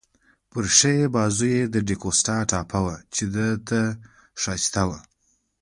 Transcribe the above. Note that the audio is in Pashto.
پر ښي بازو يې د ډک اوسټا ټاپه وه، چې ده ته ښایسته وه.